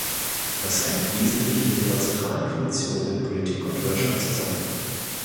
Das hängt wesentlich mit ihrer zentralen Funktion in Politik und Wirtschaft zusammen.